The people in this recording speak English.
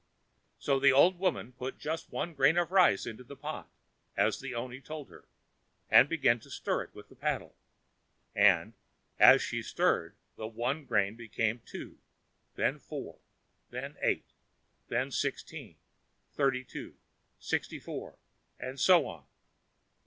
So the old woman put just one rice grain into the pot, as the oni told her, and began to stir it with the paddle; and, as she stirred, the one grain became two, then four, then eight, then sixteen, thirty two, sixty four, and so on.